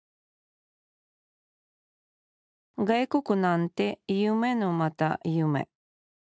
外国なんて夢のまた夢。